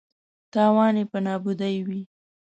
تاوان یې په نابودۍ وي.